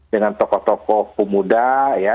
dengan tokoh tokoh pemuda ya